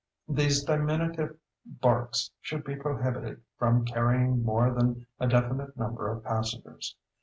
These diminutive barques should be prohibited from carrying more than a definite number of passengers.